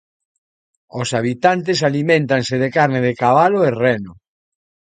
Os habitantes aliméntanse de carne de cabalo e reno.